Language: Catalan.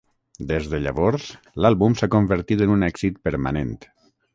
Des de llavors, l'àlbum s'ha convertit en un èxit permanent.